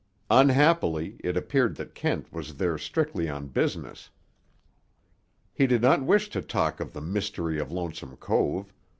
Unhappily, it appeared that Kent was there strictly on business. He did not wish to talk of the mystery of Lonesome Cove.